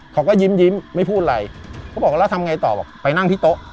เขาก็ยิ้มไม่พูดอะไรเขาบอกว่าแล้วทำไงต่อบอกไปนั่งที่โต๊ะ